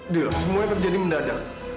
dilek semuanya terjadi mendadak